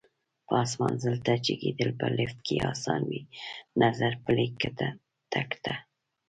پاس منزل ته جګېدل په لېفټ کې اسان وي، نظر پلي تګ ته.